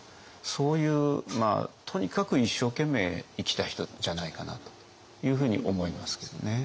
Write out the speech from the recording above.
そういうとにかく一生懸命生きた人じゃないかなというふうに思いますけどね。